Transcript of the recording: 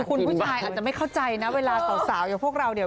คุณผู้ชายอาจจะไม่เข้าใจนะเวลาสาวอย่างพวกเราเนี่ย